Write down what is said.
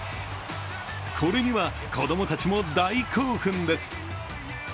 これには子供たちも大興奮です。